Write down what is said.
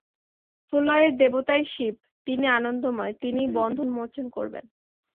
প্রলয়ের দেবতাই শিব, তিনিই আনন্দময়, তিনি বন্ধন মোচন করবেন।